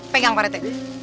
pegang pak rt